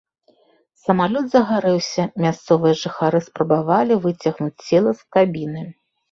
Самалёт загарэўся, мясцовыя жыхары спрабавалі выцягнуць цела з кабіны.